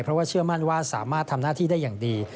เพราะว่าเชื่อมั่นว่าสามารถทำหน้าที่ได้อย่างดี